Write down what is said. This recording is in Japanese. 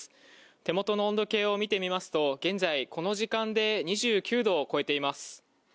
手元の温度計を見てみますと、現在、この時間で２９度を超えています。